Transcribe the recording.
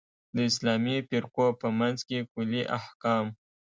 د اسلامي فرقو په منځ کې کُلي احکام.